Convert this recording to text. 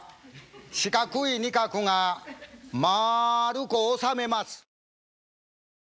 四角い仁鶴がまるくおさめます。